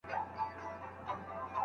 د خوب کیفیت مهم دی.